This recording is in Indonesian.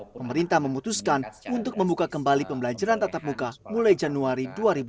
pemerintah memutuskan untuk membuka kembali pembelajaran tatap muka mulai januari dua ribu dua puluh